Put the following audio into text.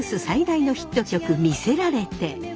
最大のヒット曲「魅せられて」。